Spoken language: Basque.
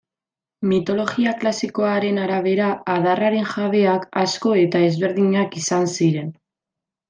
Mitologia klasikoaren arabera, adarraren jabeak asko eta ezberdinak izan ziren.